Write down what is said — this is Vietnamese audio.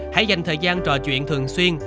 hãy dành thời gian trò chuyện thường xuyên